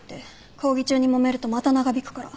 講義中にもめるとまた長引くから。